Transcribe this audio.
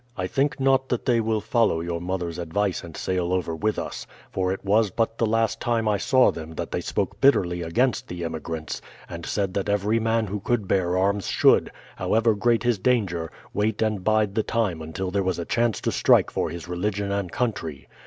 I think not that they will follow your mother's advice and sail over with us; for it was but the last time I saw them that they spoke bitterly against the emigrants, and said that every man who could bear arms should, however great his danger, wait and bide the time until there was a chance to strike for his religion and country.